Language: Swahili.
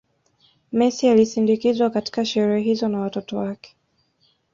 Messi alisindikizwa katika sherehe hizo na watoto wake